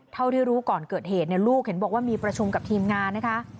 เท่าที่รู้ก่อนเกิดเหตุลูกเห็นบอกว่ามีประชุมกับทีมงานนะคะ